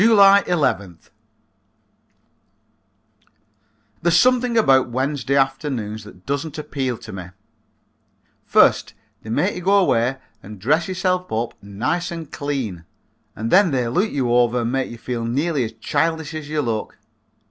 July 11th. There's something about Wednesday afternoons that doesn't appeal to me. First they make you go away and dress yourself up nice and clean and then they look you over and make you feel nearly as childish as you look.